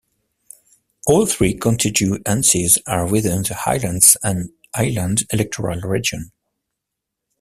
All three constituencies are within the Highlands and Islands electoral region.